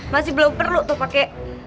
masih belum perlu tuh pakai